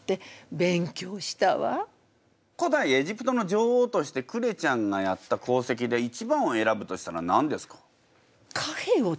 古代エジプトの女王としてクレちゃんがやった功績で一番を選ぶとしたら何ですか？